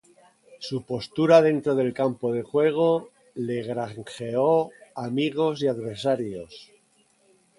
Su postura dentro del campo de juego le granjeó amigos y adversarios.